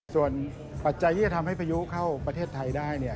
ส่วนปัจจัยที่จะทำให้พายุเข้าประเทศไทยได้